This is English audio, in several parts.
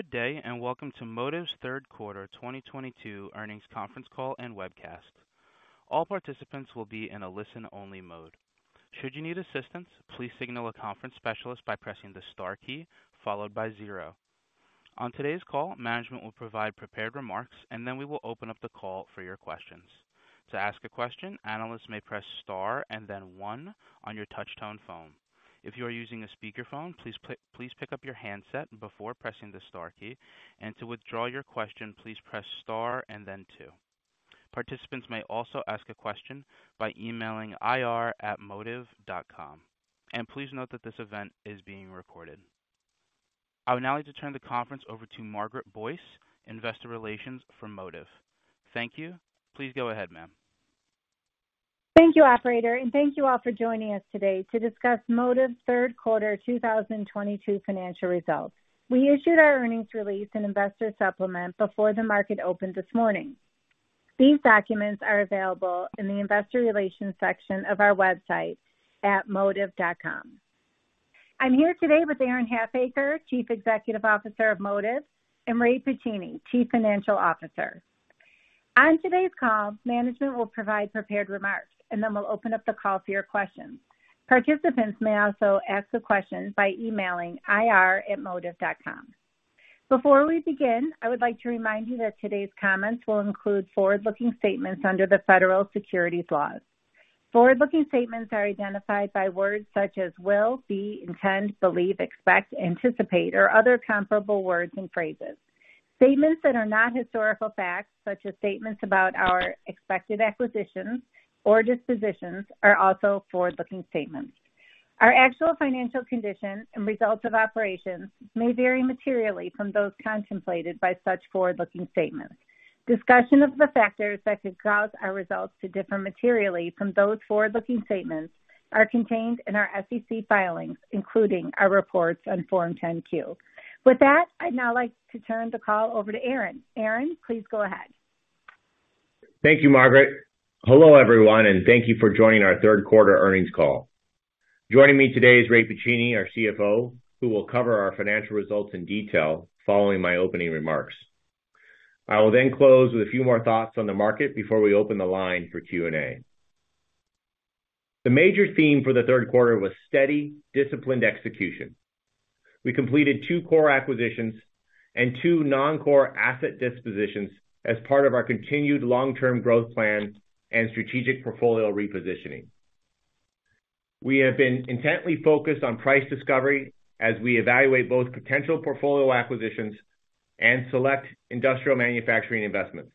Good day, and welcome to Modiv's third quarter 2022 earnings conference call and webcast. All participants will be in a listen-only mode. Should you need assistance, please signal a conference specialist by pressing the star key followed by zero. On today's call, management will provide prepared remarks, and then we will open up the call for your questions. To ask a question, analysts may press star and then one on your touch-tone phone. If you are using a speakerphone, please pick up your handset before pressing the star key. To withdraw your question, please press star and then two. Participants may also ask a question by emailing ir@modiv.com. Please note that this event is being recorded. I would now like to turn the conference over to Margaret Boyce, investor relations for Modiv. Thank you. Please go ahead, ma'am. Thank you, operator, and thank you all for joining us today to discuss Modiv's third quarter 2022 financial results. We issued our earnings release and investor supplement before the market opened this morning. These documents are available in the investor relations section of our website at modiv.com. I'm here today with Aaron Halfacre, Chief Executive Officer of Modiv, and Raymond Pacini, Chief Financial Officer. On today's call, management will provide prepared remarks, and then we'll open up the call for your questions. Participants may also ask the questions by emailing ir@modiv.com. Before we begin, I would like to remind you that today's comments will include forward-looking statements under the federal securities laws. Forward-looking statements are identified by words such as will, be, intend, believe, expect, anticipate, or other comparable words and phrases. Statements that are not historical facts, such as statements about our expected acquisitions or dispositions, are also forward-looking statements. Our actual financial conditions and results of operations may vary materially from those contemplated by such forward-looking statements. Discussion of the factors that could cause our results to differ materially from those forward-looking statements are contained in our SEC filings, including our reports on Form 10-Q. With that, I'd now like to turn the call over to Aaron. Aaron, please go ahead. Thank you, Margaret. Hello, everyone, and thank you for joining our third quarter earnings call. Joining me today is Raymond Pacini, our CFO, who will cover our financial results in detail following my opening remarks. I will then close with a few more thoughts on the market before we open the line for Q&A. The major theme for the third quarter was steady, disciplined execution. We completed two core acquisitions and two non-core asset dispositions as part of our continued long-term growth plan and strategic portfolio repositioning. We have been intently focused on price discovery as we evaluate both potential portfolio acquisitions and select industrial manufacturing investments.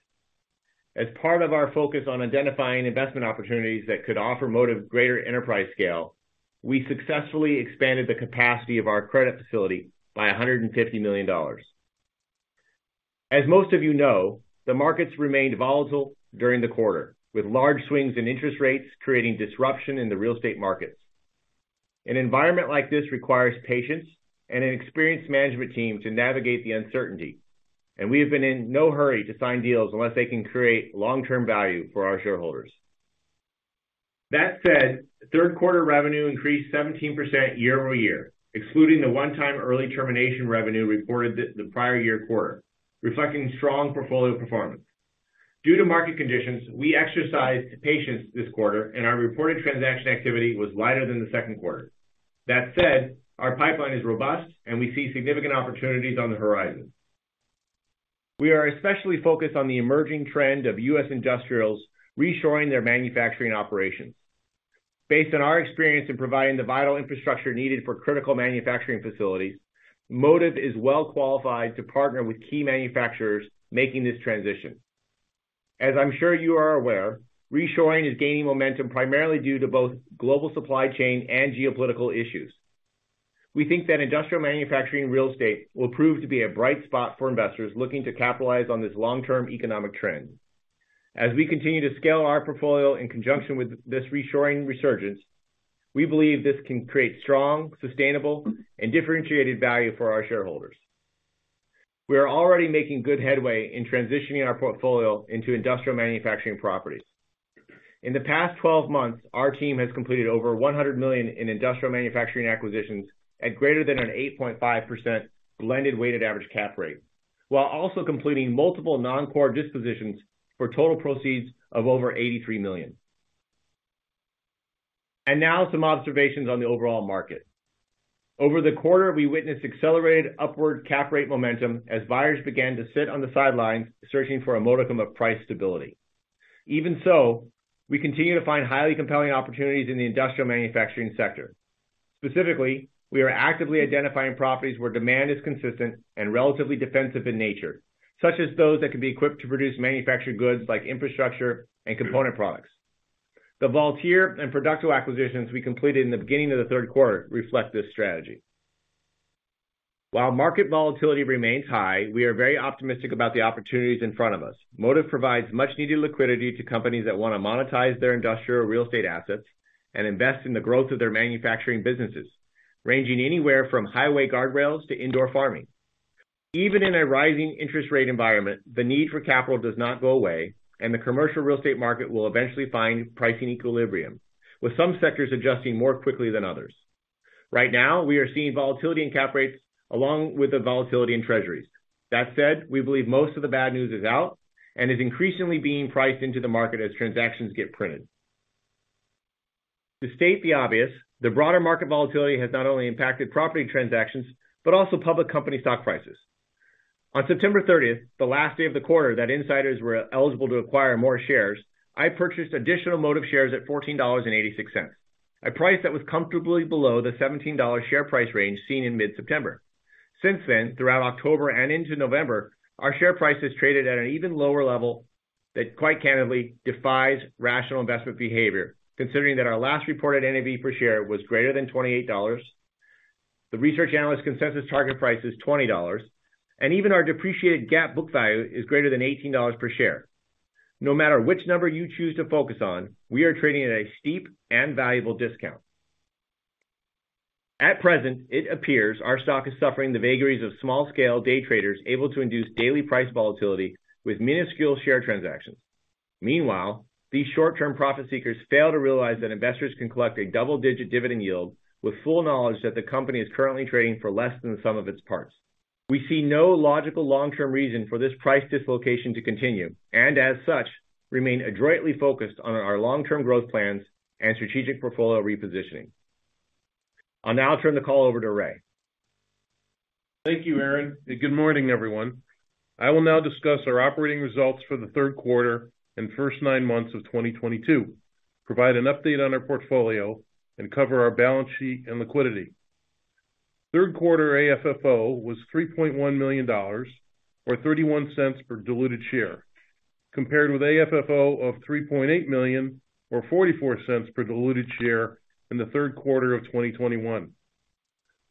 As part of our focus on identifying investment opportunities that could offer Modiv greater enterprise scale, we successfully expanded the capacity of our credit facility by $150 million. As most of you know, the markets remained volatile during the quarter, with large swings in interest rates creating disruption in the real estate markets. An environment like this requires patience and an experienced management team to navigate the uncertainty, and we have been in no hurry to sign deals unless they can create long-term value for our shareholders. That said, third quarter revenue increased 17% year-over-year, excluding the one-time early termination revenue reported the prior year quarter, reflecting strong portfolio performance. Due to market conditions, we exercised patience this quarter, and our reported transaction activity was lighter than the second quarter. That said, our pipeline is robust, and we see significant opportunities on the horizon. We are especially focused on the emerging trend of U.S. industrials reshoring their manufacturing operations. Based on our experience in providing the vital infrastructure needed for critical manufacturing facilities, Modiv is well qualified to partner with key manufacturers making this transition. As I'm sure you are aware, reshoring is gaining momentum primarily due to both global supply chain and geopolitical issues. We think that industrial manufacturing real estate will prove to be a bright spot for investors looking to capitalize on this long-term economic trend. As we continue to scale our portfolio in conjunction with this reshoring resurgence, we believe this can create strong, sustainable, and differentiated value for our shareholders. We are already making good headway in transitioning our portfolio into industrial manufacturing properties. In the past 12 months, our team has completed over $100 million in industrial manufacturing acquisitions at greater than 8.5% blended weighted average cap rate, while also completing multiple non-core dispositions for total proceeds of over $83 million. Now some observations on the overall market. Over the quarter, we witnessed accelerated upward cap rate momentum as buyers began to sit on the sidelines searching for a modicum of price stability. Even so, we continue to find highly compelling opportunities in the industrial manufacturing sector. Specifically, we are actively identifying properties where demand is consistent and relatively defensive in nature, such as those that can be equipped to produce manufactured goods like infrastructure and component products. The Valtir and Producto acquisitions we completed in the beginning of the third quarter reflect this strategy. While market volatility remains high, we are very optimistic about the opportunities in front of us. Modiv provides much needed liquidity to companies that want to monetize their industrial real estate assets and invest in the growth of their manufacturing businesses, ranging anywhere from highway guardrails to indoor farming. Even in a rising interest rate environment, the need for capital does not go away, and the commercial real estate market will eventually find pricing equilibrium, with some sectors adjusting more quickly than others. Right now, we are seeing volatility in cap rates along with the volatility in treasuries. That said, we believe most of the bad news is out and is increasingly being priced into the market as transactions get printed. To state the obvious, the broader market volatility has not only impacted property transactions, but also public company stock prices. On September thirtieth, the last day of the quarter that insiders were eligible to acquire more shares, I purchased additional Modiv shares at $14.86. A price that was comfortably below the $17 share price range seen in mid-September. Since then, throughout October and into November, our share price has traded at an even lower level that quite candidly defies rational investment behavior, considering that our last reported NAV per share was greater than $28. The research analyst consensus target price is $20, and even our depreciated GAAP book value is greater than $18 per share. No matter which number you choose to focus on, we are trading at a steep and valuable discount. At present, it appears our stock is suffering the vagaries of small scale day traders able to induce daily price volatility with minuscule share transactions. Meanwhile, these short-term profit seekers fail to realize that investors can collect a double-digit dividend yield with full knowledge that the company is currently trading for less than the sum of its parts. We see no logical long-term reason for this price dislocation to continue, and as such, remain adroitly focused on our long-term growth plans and strategic portfolio repositioning. I'll now turn the call over to Ray. Thank you, Aaron, and good morning, everyone. I will now discuss our operating results for the third quarter and first nine months of 2022, provide an update on our portfolio, and cover our balance sheet and liquidity. Third quarter AFFO was $3.1 million or $0.31 per diluted share, compared with AFFO of $3.8 million or $0.44 per diluted share in the third quarter of 2021.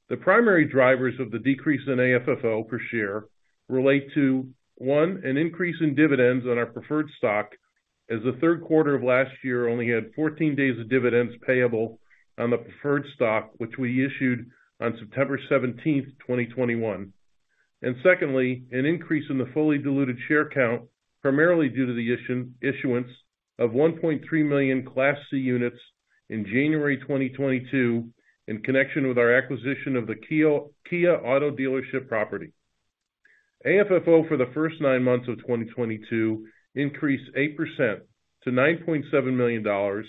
The primary drivers of the decrease in AFFO per share relate to, one, an increase in dividends on our preferred stock as the third quarter of last year only had 14 days of dividends payable on the preferred stock, which we issued on September 17, 2021. Secondly, an increase in the fully diluted share count, primarily due to the issuance of 1.3 million Class C units in January 2022 in connection with our acquisition of the Kia auto dealership property. AFFO for the first nine months of 2022 increased 8% to $9.7 million or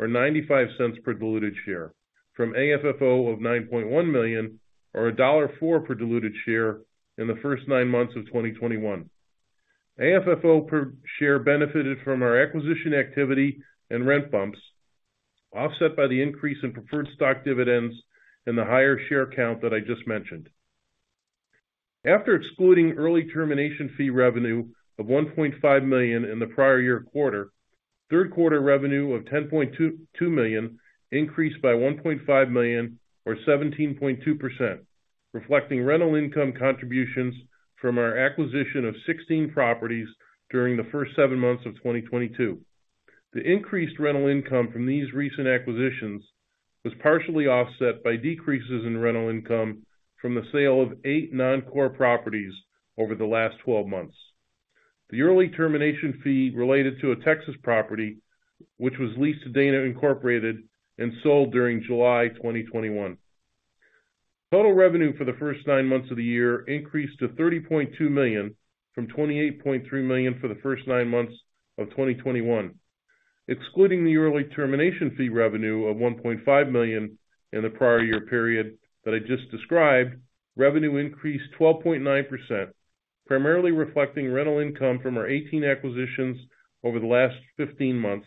$0.95 per diluted share from AFFO of $9.1 million or $1.04 per diluted share in the first nine months of 2021. AFFO per share benefited from our acquisition activity and rent bumps, offset by the increase in preferred stock dividends and the higher share count that I just mentioned. After excluding early termination fee revenue of $1.5 million in the prior year quarter, third quarter revenue of $10.2 million increased by $1.5 million or 17.2%, reflecting rental income contributions from our acquisition of 16 properties during the first seven months of 2022. The increased rental income from these recent acquisitions was partially offset by decreases in rental income from the sale of 8 non-core properties over the last 12 months. The early termination fee related to a Texas property, which was leased to Dana Incorporated and sold during July 2021. Total revenue for the first nine months of the year increased to $30.2 million from $28.3 million for the first nine months of 2021. Excluding the early termination fee revenue of $1.5 million in the prior year period that I just described, revenue increased 12.9%, primarily reflecting rental income from our 18 acquisitions over the last 15 months,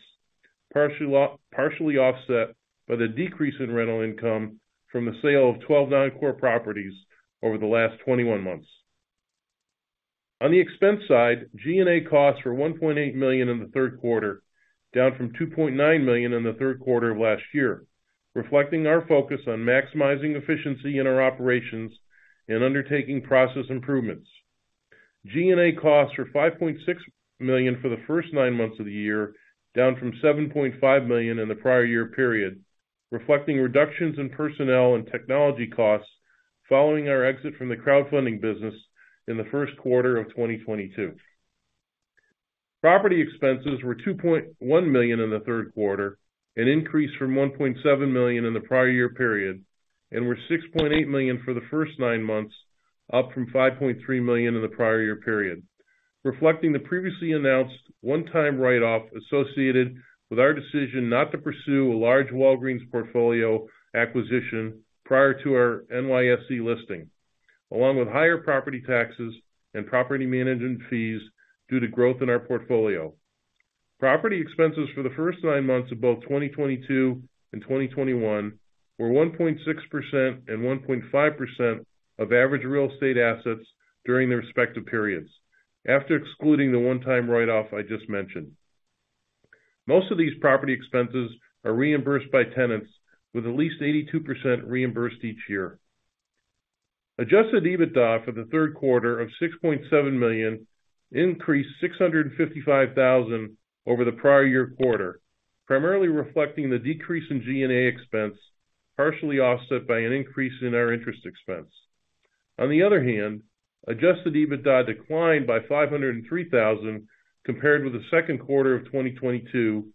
partially offset by the decrease in rental income from the sale of 12 non-core properties over the last 21 months. On the expense side, G&A costs were $1.8 million in the third quarter, down from $2.9 million in the third quarter of last year, reflecting our focus on maximizing efficiency in our operations and undertaking process improvements. G&A costs were $5.6 million for the first nine months of the year, down from $7.5 million in the prior year period, reflecting reductions in personnel and technology costs following our exit from the crowdfunding business in the first quarter of 2022. Property expenses were $2.1 million in the third quarter, an increase from $1.7 million in the prior year period, and were $6.8 million for the first nine months, up from $5.3 million in the prior year period. Reflecting the previously announced one-time write-off associated with our decision not to pursue a large Walgreens portfolio acquisition prior to our NYSE listing, along with higher property taxes and property management fees due to growth in our portfolio. Property expenses for the first nine months of both 2022 and 2021 were 1.6% and 1.5% of average real estate assets during their respective periods. After excluding the one-time write-off I just mentioned. Most of these property expenses are reimbursed by tenants, with at least 82% reimbursed each year. Adjusted EBITDA for the third quarter of $6.7 million increased $655,000 over the prior year quarter. Primarily reflecting the decrease in G&A expense, partially offset by an increase in our interest expense. On the other hand, Adjusted EBITDA declined by $503,000 compared with the second quarter of 2022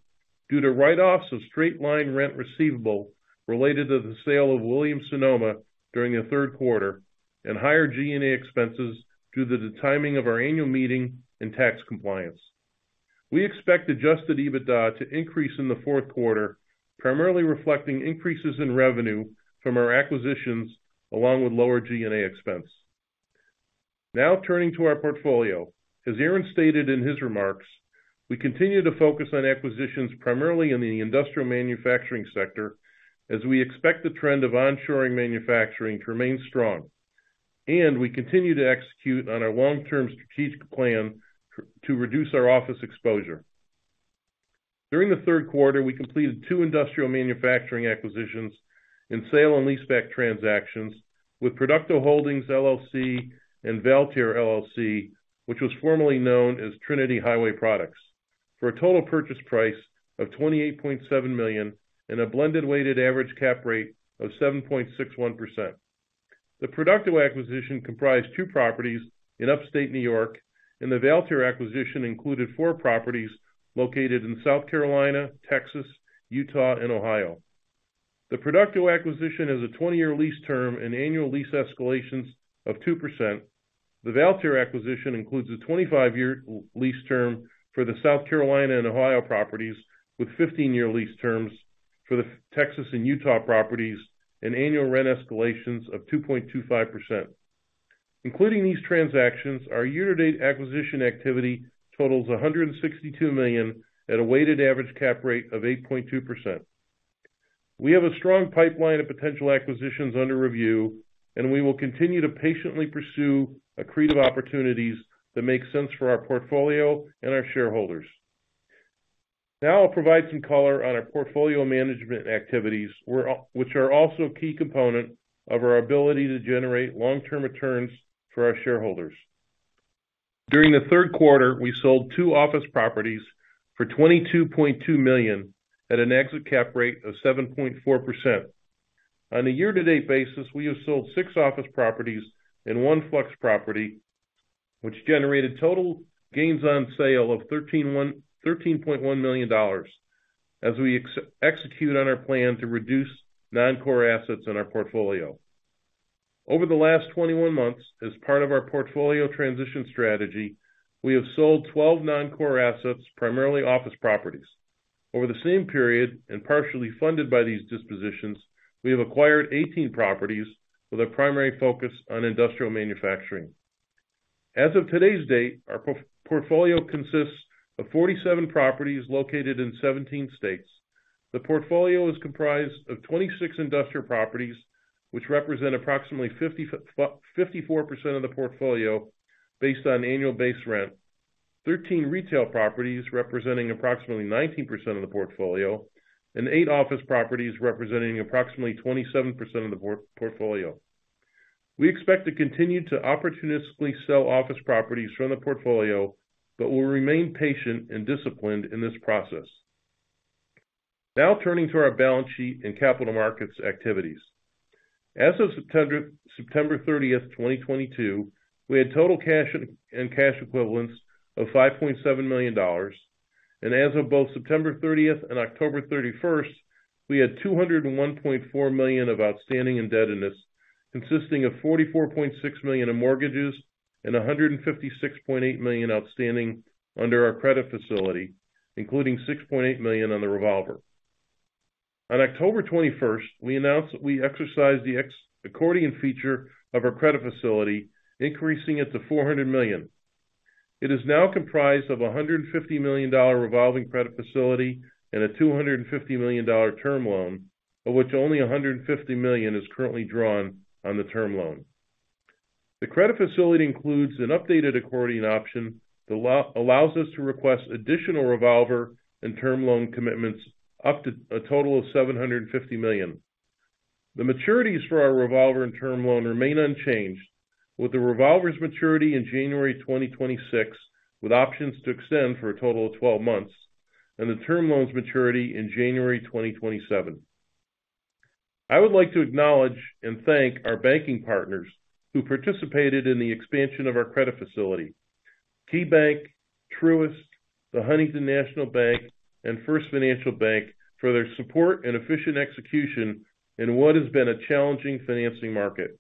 due to write-offs of straight-line rent receivable related to the sale of Williams-Sonoma during the third quarter and higher G&A expenses due to the timing of our annual meeting and tax compliance. We expect Adjusted EBITDA to increase in the fourth quarter, primarily reflecting increases in revenue from our acquisitions, along with lower G&A expense. Now turning to our portfolio. As Aaron stated in his remarks, we continue to focus on acquisitions primarily in the industrial manufacturing sector, as we expect the trend of onshoring manufacturing to remain strong, and we continue to execute on our long-term strategic plan to reduce our office exposure. During the third quarter, we completed two industrial manufacturing acquisitions in sale and leaseback transactions with Productive Holdings LLC and Valtir, LLC, which was formerly known as Trinity Highway Products, for a total purchase price of $28.7 million and a blended weighted average cap rate of 7.61%. The Productive acquisition comprised two properties in Upstate New York, and the Valtir acquisition included four properties located in South Carolina, Texas, Utah, and Ohio. The Productive acquisition has a 20-year lease term and annual lease escalations of 2%. The Valtir acquisition includes a 25-year lease term for the South Carolina and Ohio properties, with 15-year lease terms for the Texas and Utah properties, and annual rent escalations of 2.25%. Including these transactions, our year-to-date acquisition activity totals $162 million at a weighted average cap rate of 8.2%. We have a strong pipeline of potential acquisitions under review, and we will continue to patiently pursue accretive opportunities that make sense for our portfolio and our shareholders. Now I'll provide some color on our portfolio management activities, which are also a key component of our ability to generate long-term returns for our shareholders. During the third quarter, we sold two office properties for $22.2 million at an exit cap rate of 7.4%. On a year-to-date basis, we have sold six office properties and one flex property, which generated total gains on sale of $13.1 million as we execute on our plan to reduce non-core assets in our portfolio. Over the last 21 months, as part of our portfolio transition strategy, we have sold 12 non-core assets, primarily office properties. Over the same period, and partially funded by these dispositions, we have acquired 18 properties with a primary focus on industrial manufacturing. As of today's date, our portfolio consists of 47 properties located in 17 states. The portfolio is comprised of 26 industrial properties, which represent approximately 54% of the portfolio based on annual base rent. Thirteen retail properties representing approximately 19% of the portfolio, and eight office properties representing approximately 27% of the portfolio. We expect to continue to opportunistically sell office properties from the portfolio, but will remain patient and disciplined in this process. Now turning to our balance sheet and capital markets activities. As of September 30th, 2022, we had total cash and cash equivalents of $5.7 million. As of both September 30th and October 31st, we had $201.4 million of outstanding indebtedness, consisting of $44.6 million in mortgages and $156.8 million outstanding under our credit facility, including $6.8 million on the revolver. On October 21st, we announced that we exercised the accordion feature of our credit facility, increasing it to $400 million. It is now comprised of a $150 million revolving credit facility and a $250 million term loan, of which only $150 million is currently drawn on the term loan. The credit facility includes an updated accordion option that allows us to request additional revolver and term loan commitments up to a total of $750 million. The maturities for our revolver and term loan remain unchanged, with the revolver's maturity in January 2026, with options to extend for a total of 12 months, and the term loan's maturity in January 2027. I would like to acknowledge and thank our banking partners who participated in the expansion of our credit facility. KeyBank, Truist, The Huntington National Bank, and First Financial Bank for their support and efficient execution in what has been a challenging financing market.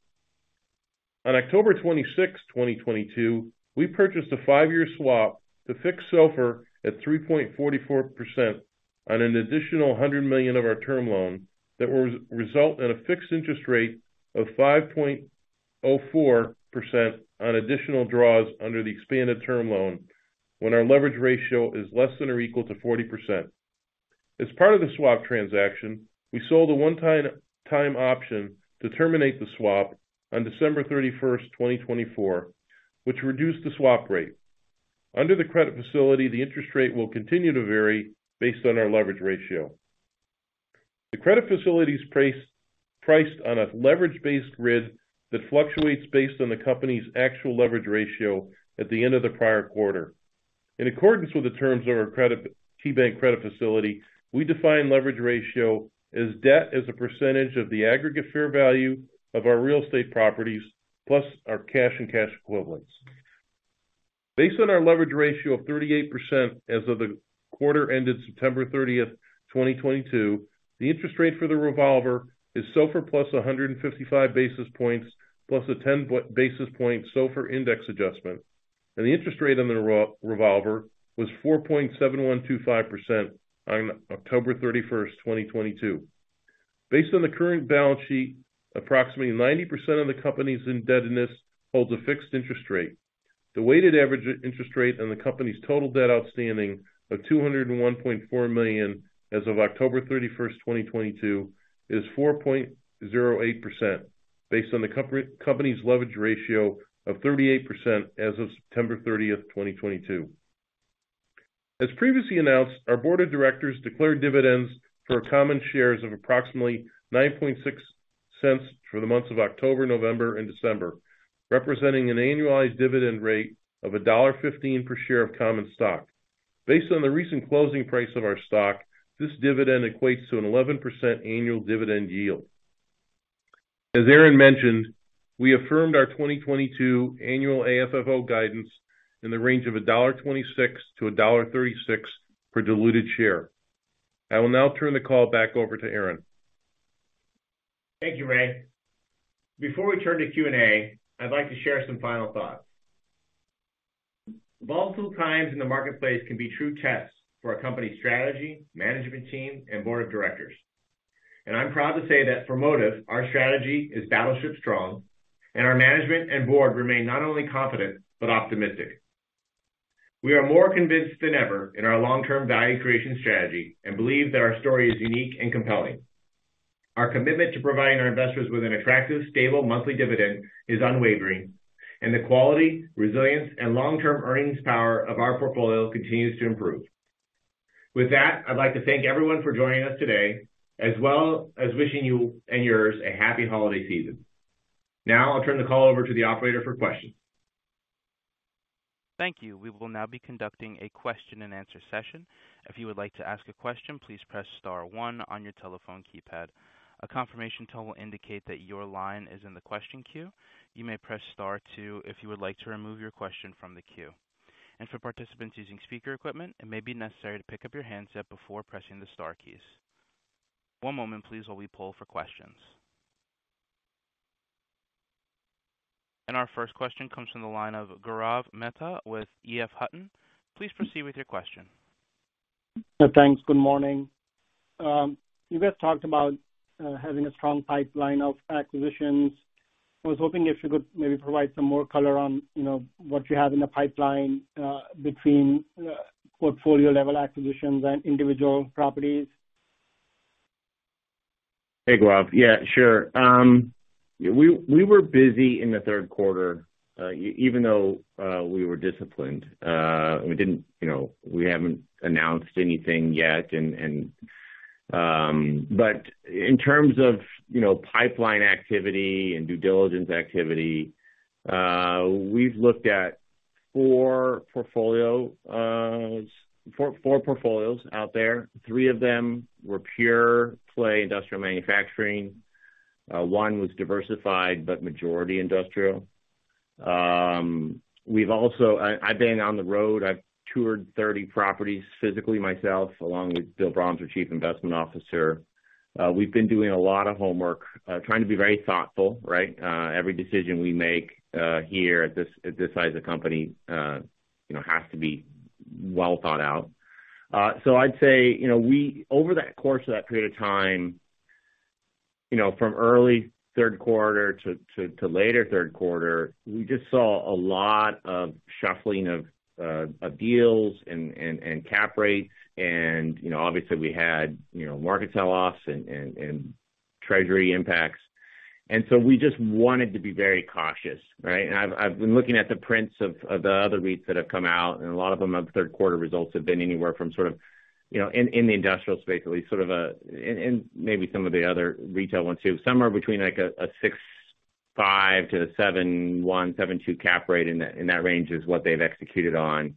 On October 26, 2022, we purchased a five-year swap to fix SOFR at 3.44% on an additional $100 million of our term loan that will result in a fixed interest rate of 5.04% on additional draws under the expanded term loan when our leverage ratio is less than or equal to 40%. As part of the swap transaction, we sold a one-time option to terminate the swap on December 31, 2024, which reduced the swap rate. Under the credit facility, the interest rate will continue to vary based on our leverage ratio. The credit facility is priced on a leverage-based grid that fluctuates based on the company's actual leverage ratio at the end of the prior quarter. In accordance with the terms of our KeyBank credit facility, we define leverage ratio as debt as a percentage of the aggregate fair value of our real estate properties plus our cash and cash equivalents. Based on our leverage ratio of 38% as of the quarter ended September 30, 2022, the interest rate for the revolver is SOFR plus 155 basis points plus a 10 basis point SOFR index adjustment, and the interest rate on the revolver was 4.7125% on October 31, 2022. Based on the current balance sheet, approximately 90% of the company's indebtedness holds a fixed interest rate. The weighted average interest rate on the company's total debt outstanding of $201.4 million as of October 31, 2022 is 4.08% based on the company's leverage ratio of 38% as of September 30, 2022. As previously announced, our board of directors declared dividends for our common shares of approximately $0.096 for the months of October, November, and December, representing an annualized dividend rate of $1.15 per share of common stock. Based on the recent closing price of our stock, this dividend equates to an 11% annual dividend yield. As Aaron mentioned, we affirmed our 2022 annual AFFO guidance in the range of $1.26-$1.36 per diluted share. I will now turn the call back over to Aaron. Thank you, Ray. Before we turn to Q&A, I'd like to share some final thoughts. Volatile times in the marketplace can be true tests for a company's strategy, management team, and board of directors, and I'm proud to say that for Modiv, our strategy is battleship strong and our management and board remain not only confident, but optimistic. We are more convinced than ever in our long-term value creation strategy and believe that our story is unique and compelling. Our commitment to providing our investors with an attractive, stable monthly dividend is unwavering, and the quality, resilience, and long-term earnings power of our portfolio continues to improve. With that, I'd like to thank everyone for joining us today, as well as wishing you and yours a happy holiday season. Now I'll turn the call over to the operator for questions. Thank you. We will now be conducting a question-and-answer session. If you would like to ask a question, please press star one on your telephone keypad. A confirmation tone will indicate that your line is in the question queue. You may press star two if you would like to remove your question from the queue. For participants using speaker equipment, it may be necessary to pick up your handset before pressing the star keys. One moment, please, while we poll for questions. Our first question comes from the line of Gaurav Mehta with EF Hutton. Please proceed with your question. Thanks. Good morning. You guys talked about having a strong pipeline of acquisitions. I was hoping if you could maybe provide some more color on, you know, what you have in the pipeline, between portfolio-level acquisitions and individual properties. Hey, Gaurav. Yeah, sure. Yeah, we were busy in the third quarter, even though we were disciplined. We didn't, you know, we haven't announced anything yet and. In terms of, you know, pipeline activity and due diligence activity, we've looked at four portfolios out there. Three of them were pure play industrial manufacturing. One was diversified but majority industrial. We've also. I've been on the road. I've toured 30 properties physically myself, along with William Broms, Chief Investment Officer. We've been doing a lot of homework, trying to be very thoughtful, right? Every decision we make here at this size of company, you know, has to be well thought out. I'd say, you know, we. Over that course of that period of time, you know, from early third quarter to later third quarter, we just saw a lot of shuffling of deals and cap rates and, you know, obviously we had market sell-offs and treasury impacts. We just wanted to be very cautious, right? I've been looking at the prints of the other REITs that have come out, and a lot of them have third quarter results been anywhere from sort of, you know, in the industrial space at least, and maybe some of the other retail ones too, somewhere between like a 6.5 to 7.1, 7.2 cap rate in that range is what they've executed on.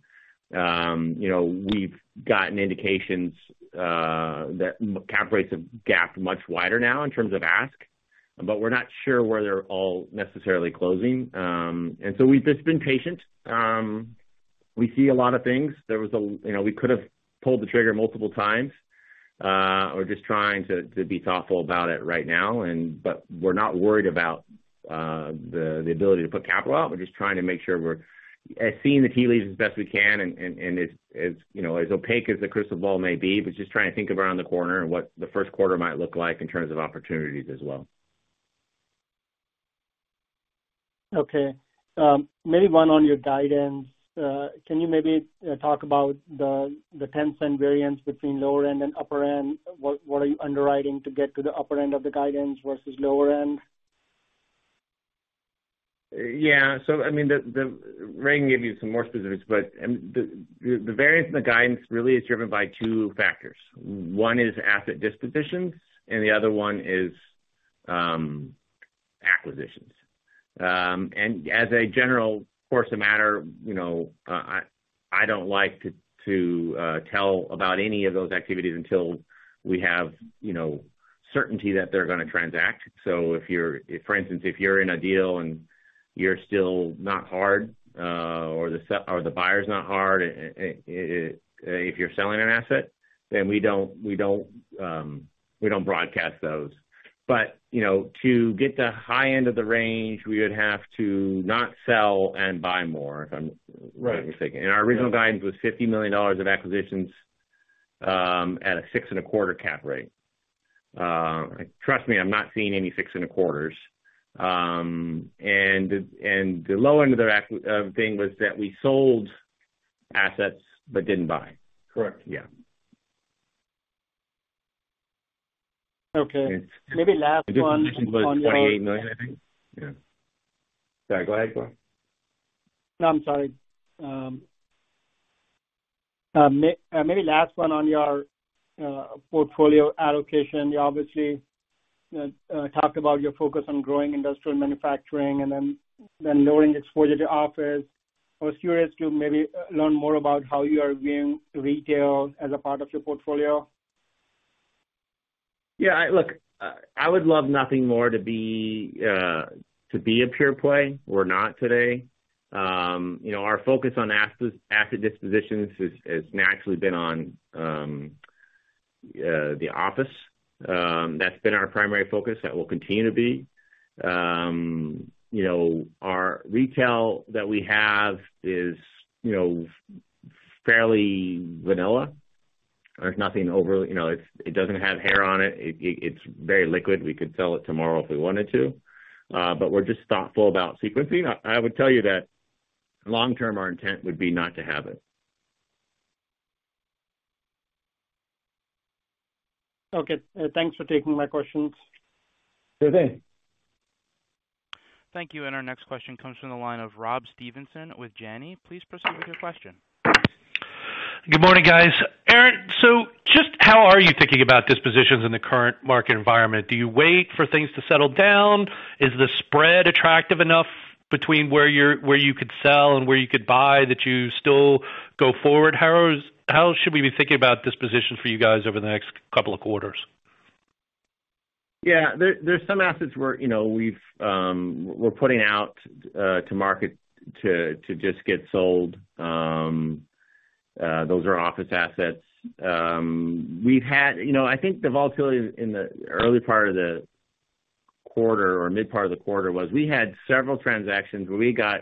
You know, we've gotten indications that cap rates have gapped much wider now in terms of ask, but we're not sure where they're all necessarily closing. We've just been patient. We see a lot of things. You know, we could have pulled the trigger multiple times. We're just trying to be thoughtful about it right now. We're not worried about the ability to put capital out. We're just trying to make sure we're seeing the tea leaves as best we can and as you know, as opaque as the crystal ball may be, but just trying to think of around the corner and what the first quarter might look like in terms of opportunities as well. Okay. Maybe one on your guidance. Can you maybe talk about the $0.10 variance between lower end and upper end? What are you underwriting to get to the upper end of the guidance versus lower end? I mean, the variance in the guidance really is driven by two factors. One is asset dispositions, and the other one is acquisitions. As a general course of the matter, you know, I don't like to tell about any of those activities until we have, you know, certainty that they're gonna transact. For instance, if you're in a deal and you're still not hard, or the buyer's not hard, if you're selling an asset, then we don't broadcast those. You know, to get the high end of the range, we would have to not sell and buy more, if I'm Right. Our original guidance was $50 million of acquisitions at a 6.25 cap rate. Trust me, I'm not seeing any 6.25s. The low end of the thing was that we sold assets but didn't buy. Correct. Yeah. Okay. It's Maybe last one on your. It was like $28 million, I think. Yeah. Sorry. Go ahead. Go on. No, I'm sorry. Maybe last one on your portfolio allocation. You obviously talked about your focus on growing industrial manufacturing and then lowering exposure to office. I was curious to maybe learn more about how you are viewing retail as a part of your portfolio? Yeah, look, I would love nothing more to be a pure play. We're not today. You know, our focus on asset dispositions has naturally been on the office. That's been our primary focus. That will continue to be. You know, our retail that we have is, you know, fairly vanilla. There's nothing overly. You know, it's, it doesn't have hair on it. It's very liquid. We could sell it tomorrow if we wanted to, but we're just thoughtful about sequencing. I would tell you that long term, our intent would be not to have it. Okay. Thanks for taking my questions. Okay. Thank you. Our next question comes from the line of Rob Stevenson with Janney Montgomery Scott. Please proceed with your question. Good morning, guys. Aaron, so just how are you thinking about dispositions in the current market environment? Do you wait for things to settle down? Is the spread attractive enough between where you could sell and where you could buy that you still go forward? How should we be thinking about dispositions for you guys over the next couple of quarters? Yeah. There's some assets where, you know, we're putting out to market to just get sold. Those are office assets. We've had. You know, I think the volatility in the early part of the quarter or mid part of the quarter was we had several transactions where we got,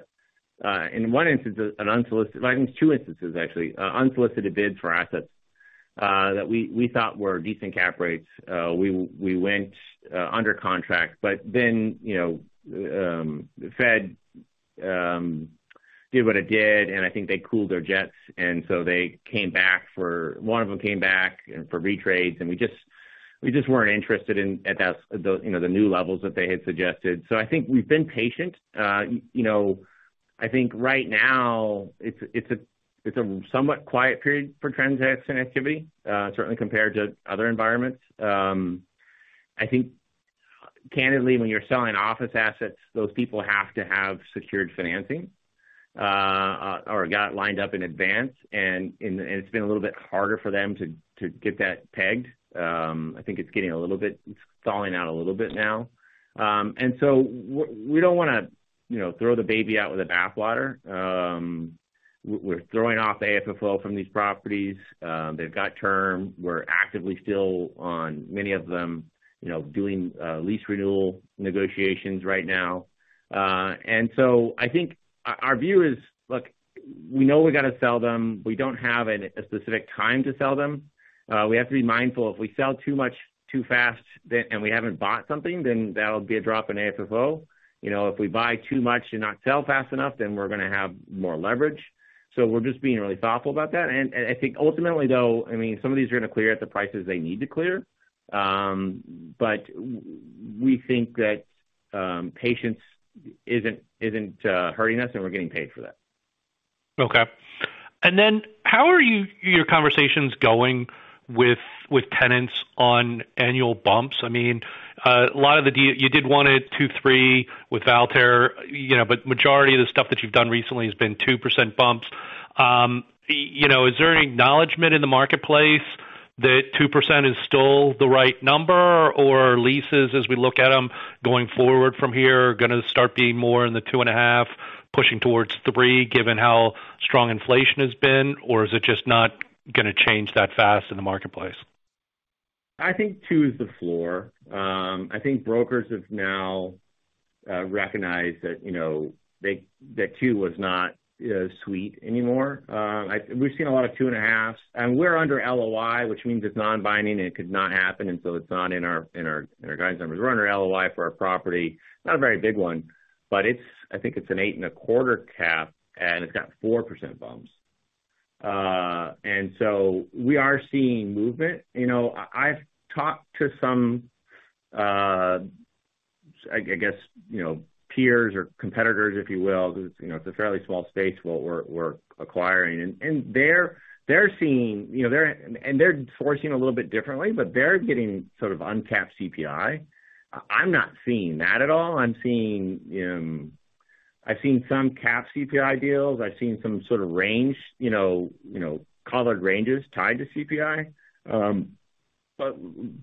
in one instance, an unsolicited. I think two instances actually, unsolicited bids for assets, that we thought were decent cap rates. We went under contract, but then, you know, the Fed did what it did, and I think they cooled their jets and they came back for. One of them came back and for retrades, and we just weren't interested in at that, the new levels that they had suggested. I think we've been patient. You know, I think right now it's a somewhat quiet period for transaction activity, certainly compared to other environments. I think candidly, when you're selling office assets, those people have to have secured financing or got lined up in advance and it's been a little bit harder for them to get that pegged. I think it's stalling out a little bit now. We don't wanna, you know, throw the baby out with the bathwater. We're throwing off AFFO from these properties. They've got term. We're actively still on many of them, you know, doing lease renewal negotiations right now. I think our view is, look, we know we gotta sell them. We don't have a specific time to sell them. We have to be mindful. If we sell too much too fast then, and we haven't bought something, then that'll be a drop in AFFO. You know, if we buy too much and not sell fast enough, then we're gonna have more leverage. We're just being really thoughtful about that. I think ultimately, though, I mean, some of these are gonna clear at the prices they need to clear. We think that patience isn't hurting us, and we're getting paid for that. Okay. How are your conversations going with tenants on annual bumps? I mean, a lot of the deals you did one at 2.3 with Valtir, you know, but majority of the stuff that you've done recently has been 2% bumps. You know, is there an acknowledgement in the marketplace that 2% is still the right number? Or leases, as we look at them going forward from here, are gonna start being more in the 2.5, pushing towards 3, given how strong inflation has been? Or is it just not gonna change that fast in the marketplace? I think 2 is the floor. I think brokers have now recognized that, you know, that 2 was not as sweet anymore. We've seen a lot of 2.5s. We're under LOI, which means it's non-binding, and it could not happen, and so it's not in our guidance numbers. We're under LOI for our property. Not a very big one, but I think it's an 8.25 cap, and it's got 4% bumps. We are seeing movement. You know, I've talked to some, I guess, you know, peers or competitors, if you will. You know, it's a fairly small space what we're acquiring. They're seeing, you know, they're sourcing a little bit differently, but they're getting sort of uncapped CPI. I'm not seeing that at all. I'm seeing, I've seen some capped CPI deals. I've seen some sort of range, you know, collared ranges tied to CPI.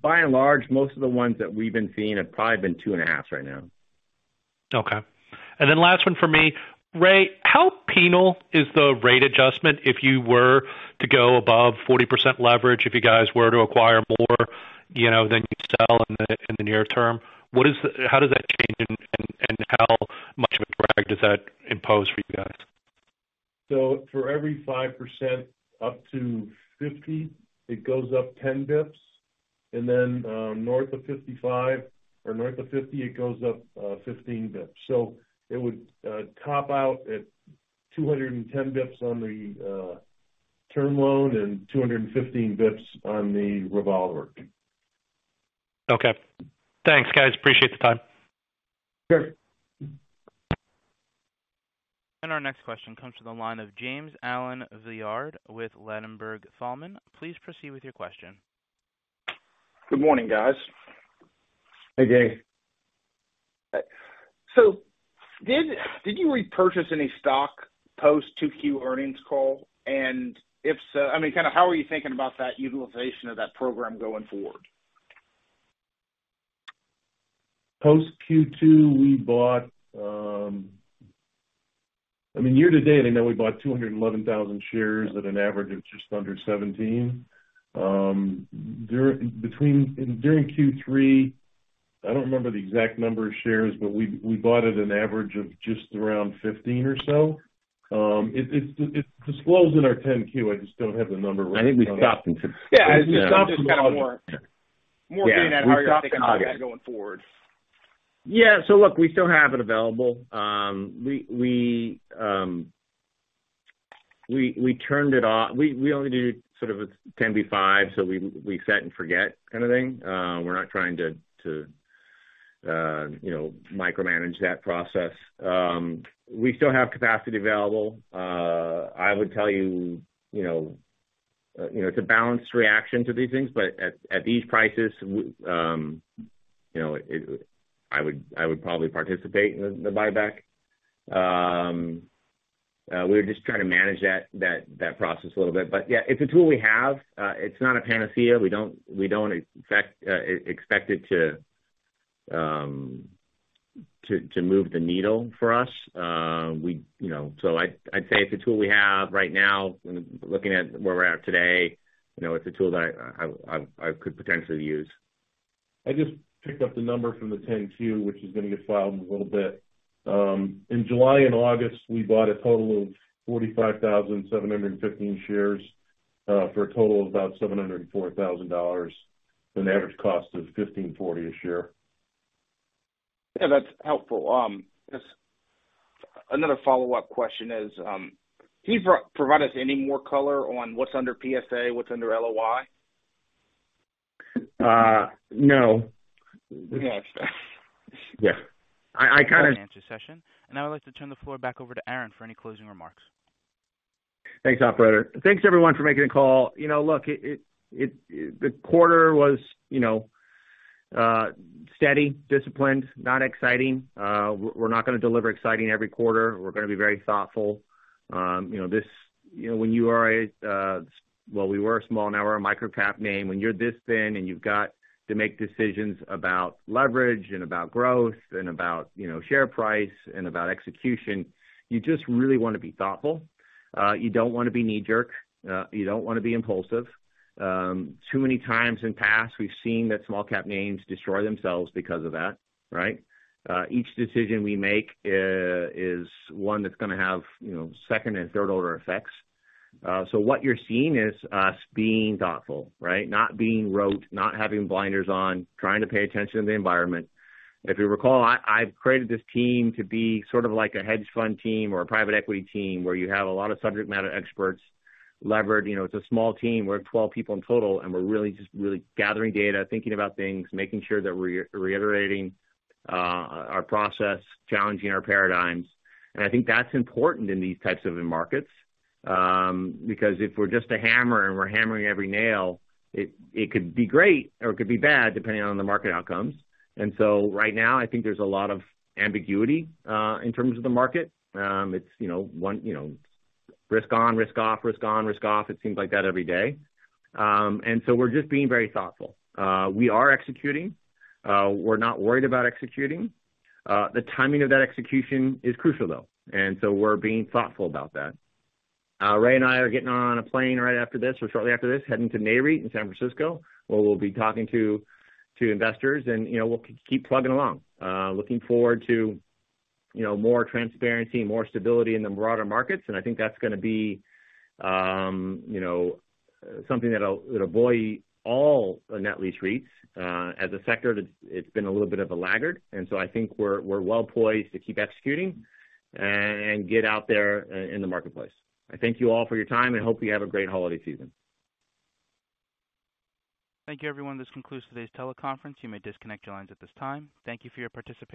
By and large, most of the ones that we've been seeing have probably been 2.5 right now. Okay. Last one for me. Ray, how penal is the rate adjustment if you were to go above 40% leverage, if you guys were to acquire more, you know, than you sell in the near term, how does that change and how much of a drag does that impose for you guys? For every 5% up to 50, it goes up 10 BPS. North of 55 or north of 50, it goes up 15 BPS. It would top out at 210 BPS on the term loan and 215 BPS on the revolver. Okay. Thanks, guys. Appreciate the time. Sure. Our next question comes to the line of James Allen Villard with Ladenburg Thalmann. Please proceed with your question. Good morning, guys. Hey, James. Did you repurchase any stock post 2Q earnings call? If so, I mean, kind of how are you thinking about that utilization of that program going forward? Post Q2, we bought, I mean, year to date, I know we bought 211,000 shares at an average of just under $17. During Q3, I don't remember the exact number of shares, but we bought at an average of just around $15 or so. It discloses in our 10-Q. I just don't have the number right in front of me. I think we stopped in Q. Yeah. Yeah. We stopped in August. Just kind of more data on how you're thinking about that going forward. Yeah. Look, we still have it available. We only do sort of a 10b5-1, so we set and forget kind of thing. We're not trying to you know, micromanage that process. We still have capacity available. I would tell you know, it's a balanced reaction to these things, but at these prices, you know, it. I would probably participate in the buyback. We're just trying to manage that process a little bit. Yeah, it's a tool we have. It's not a panacea. We don't expect it to move the needle for us. You know, I'd say it's a tool we have right now. Looking at where we're at today, you know, it's a tool that I could potentially use. I just picked up the number from the 10-Q, which is gonna get filed in a little bit. In July and August, we bought a total of 45,715 shares for a total of about $704,000, an average cost of $15.40 a share. Yeah, that's helpful. Just another follow-up question is, can you provide us any more color on what's under PSA, what's under LOI? No. Okay. Yeah. I kinda Q&A session. Now I'd like to turn the floor back over to Aaron for any closing remarks. Thanks, operator. Thanks everyone for making the call. You know, look, the quarter was, you know, steady, disciplined, not exciting. We're not gonna deliver exciting every quarter. We're gonna be very thoughtful. You know, when you are a, well, we were small, now we're a microcap name. When you're this thin and you've got to make decisions about leverage and about growth and about, you know, share price and about execution, you just really wanna be thoughtful. You don't wanna be knee-jerk. You don't wanna be impulsive. Too many times in past, we've seen that small cap names destroy themselves because of that, right? Each decision we make is one that's gonna have, you know, second and third order effects. What you're seeing is us being thoughtful, right? Not being rote, not having blinders on, trying to pay attention to the environment. If you recall, I've created this team to be sort of like a hedge fund team or a private equity team where you have a lot of subject matter experts levered. You know, it's a small team. We're 12 people in total, and we're really just really gathering data, thinking about things, making sure that we're reiterating our process, challenging our paradigms. I think that's important in these types of markets. Because if we're just a hammer and we're hammering every nail, it could be great or it could be bad, depending on the market outcomes. Right now, I think there's a lot of ambiguity in terms of the market. It's, you know, one, you know, risk on, risk off, risk on, risk off. It seems like that every day. We're just being very thoughtful. We are executing. We're not worried about executing. The timing of that execution is crucial, though. We're being thoughtful about that. Ray and I are getting on a plane right after this or shortly after this, heading to NAREIT in San Francisco, where we'll be talking to investors and, you know, we'll keep plugging along. Looking forward to, you know, more transparency, more stability in the broader markets. I think that's gonna be, you know, something that'll buoy all net lease REITs. As a sector, it's been a little bit of a laggard, and so I think we're well-poised to keep executing and get out there in the marketplace. I thank you all for your time, and hope you have a great holiday season. Thank you, everyone. This concludes today's teleconference. You may disconnect your lines at this time. Thank you for your participation.